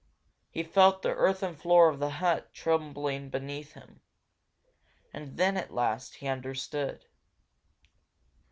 He felt the earthen floor of the hut trembling beneath him. And then at last he understood.